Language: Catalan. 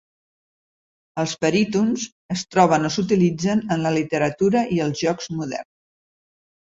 Els perytons es troben o s'utilitzen en la literatura i els jocs moderns.